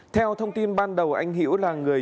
theo thông tin ban đầu anh hữu là người